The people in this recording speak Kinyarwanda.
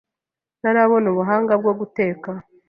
Ntarabona ubuhanga bwo guteka.